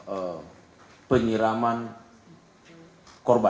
eh penyiraman terhadap korban